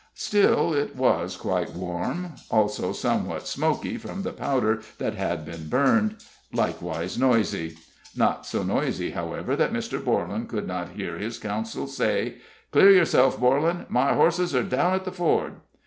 Still it was quite warm; also somewhat smoky from the powder that had been burned; likewise noisy. Not so noisy, however, that Mr. Borlan could not hear his counsel say: "Clear yourself, Borlan! My horses are down at the ford!"